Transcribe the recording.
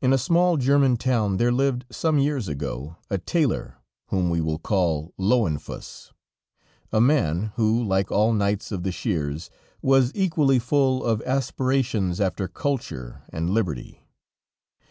In a small German town there lived, some years ago, a tailor, whom we will call Löwenfuss, a man who, like all knights of the shears, was equally full of aspirations after culture and liberty.